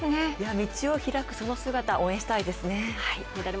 道を開くその姿応援したいですね。